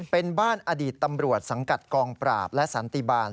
เป็นบ้านอดีตตำรวจสังกัดกองปราบและสันติบาล